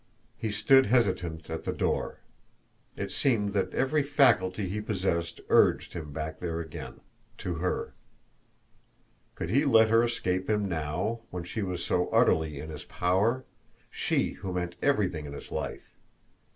He stood hesitant at the door. It seemed that every faculty he possessed urged him back there again to her. Could he let her escape him now when she was so utterly in his power, she who meant everything in his life!